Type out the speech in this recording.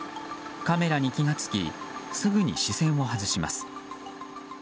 カメラに気が付きすぐに視線を外します。